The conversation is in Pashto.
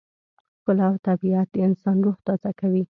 ښکلا او طبیعت د انسان روح تازه کوي.